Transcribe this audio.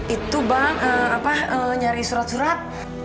itu bang nyari surat surat